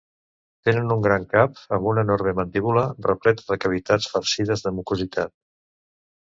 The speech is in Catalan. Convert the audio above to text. Tenen un gran cap amb una enorme mandíbula, repleta de cavitats farcides de mucositat.